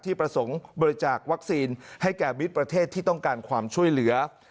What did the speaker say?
ประสงค์บริจาควัคซีนให้แก่มิตรประเทศที่ต้องการความช่วยเหลือ